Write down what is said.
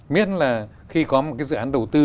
miễn là khi có một dự án đầu tư